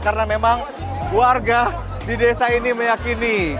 karena memang warga di desa ini meyakini